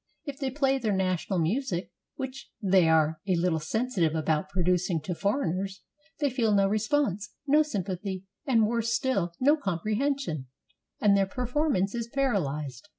If they play their national music, which they are a little sensitive about producing to foreigners, they feel no response, no sympathy, and worse still, no comprehension, and their performance is paralyzed.